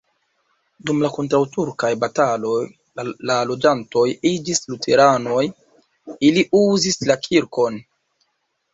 Dum la kontraŭturkaj bataloj la loĝantoj iĝis luteranoj, ili uzis la kirkon.